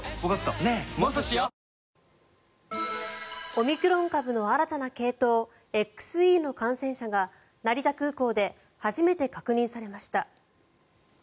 オミクロン株の新たな系統ＸＥの感染者が成田空港で初めて確認されました。